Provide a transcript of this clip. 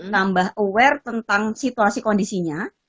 tambah aware tentang situasi kondisinya